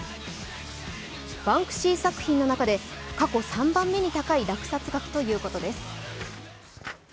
バンクシー作品の中で過去３番目に高い落札額ということです。